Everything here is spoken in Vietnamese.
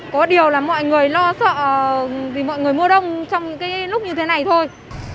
có điều là mọi người lo sợ thì mọi người mua đông trong những lúc như thế này thôi